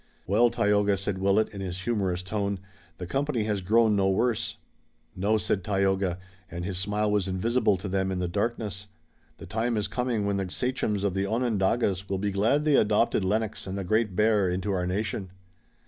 "Well, Tayoga," said Willet, in his humorous tone, "the company has grown no worse." "No," said Tayoga, and his smile was invisible to them in the darkness. "The time is coming when the sachems of the Onondagas will be glad they adopted Lennox and the Great Bear into our nation."